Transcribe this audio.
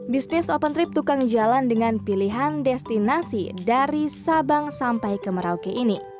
bisnis open trip tukang jalan dengan pilihan destinasi dari sabang sampai ke merauke ini